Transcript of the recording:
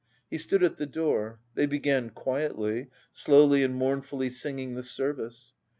He stood at the door. They began quietly, slowly and mournfully singing the service.